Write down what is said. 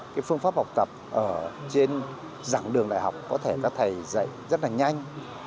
cái phương pháp học tập ở trên dạng đường đại học có thể các thầy dạy rất là nhanh